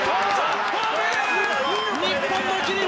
日本の切り札